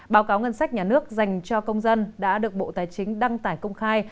báo cáo ngân sách nhà nước dành cho công dân đã được bộ tài chính đăng tải công khai